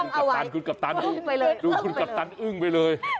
คุณกัปตันคุณกัปตันอึ้งไปเลย